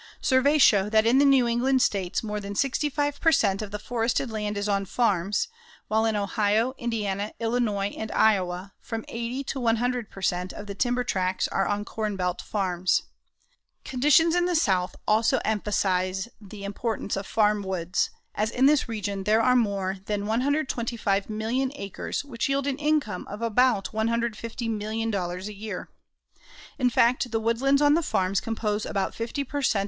Surveys show that in the New England States more than 65 per cent. of the forested land is on farms, while in Ohio, Indiana, Illinois and Iowa from 80 to 100 per cent. of the timber tracts are on corn belt farms. Conditions in the South also emphasize the importance of farm woods, as in this region there are more than 125,000,000 acres which yield an income of about $150,000,000 a year. In fact the woodlands on the farms compose about 50 per cent.